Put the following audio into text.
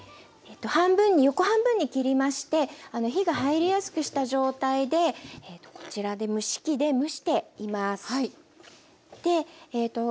半分に横半分に切りまして火が入りやすくした状態でこちらで蒸し器で蒸しています。